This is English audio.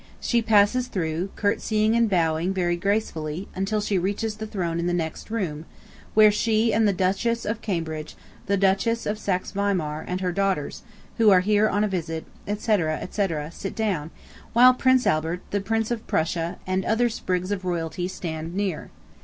She passes through, curtseying and bowing very gracefully, until she reaches the throne in the next room, where she and the Duchess of Cambridge, the Duchess of Saxe Weimar and her daughters, who are here on a visit, etc., sit down, while Prince Albert, the Prince of Prussia and other sprigs of royalty stand near.